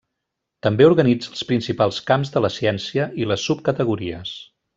També organitza els principals camps de la ciència i les subcategories.